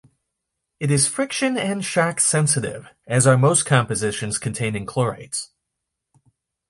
It is friction and shock sensitive, as are most compositions containing chlorates.